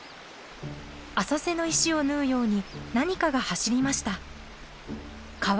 浅瀬の石を縫うように何かが走りました。